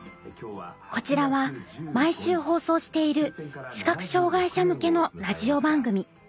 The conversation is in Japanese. こちらは毎週放送している視覚障害者向けのラジオ番組。